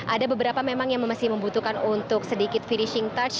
ada beberapa memang yang masih membutuhkan untuk sedikit finishing touch